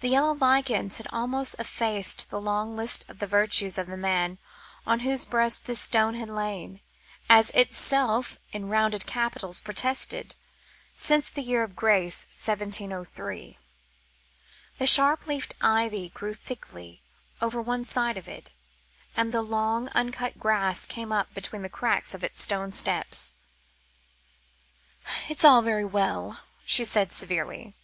The yellow lichens had almost effaced the long list of the virtues of the man on whose breast this stone had lain, as itself in round capitals protested, since the year of grace 1703. The sharp leafed ivy grew thickly over one side of it, and the long, uncut grass came up between the cracks of its stone steps. "It's all very well," she said severely.